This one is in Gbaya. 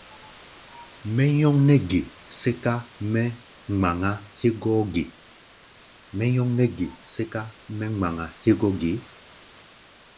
Mɛ́ nyɔ́ŋ nɛ́ ge sɛ́ká mɛ́ ŋmaŋa hégɔ́ ge?